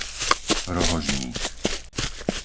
Rohožník